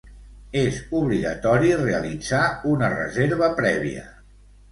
És obligatori realitzar una reserva prèvia.